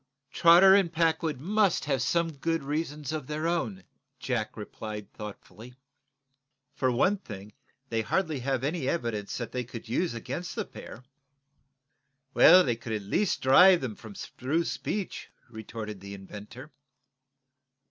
"Trotter and Packwood must have some good reasons of their own," Jack replied, thoughtfully. "For one thing, they hardly have any evidence that they could use against the pair." "They could at least drive them from Spruce Beach," retorted the inventor.